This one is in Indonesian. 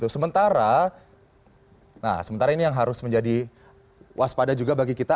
sementara nah sementara ini yang harus menjadi waspada juga bagi kita